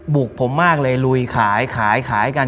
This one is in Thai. บุกผมมากเลยลุยขายขายกัน